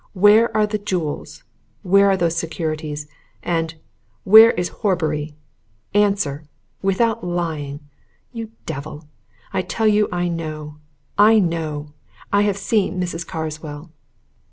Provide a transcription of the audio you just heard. Where are the jewels? Where are those securities? And where is Horbury! Answer! without lying. You devil! I tell you I know know! I have seen Mrs. Carswell!"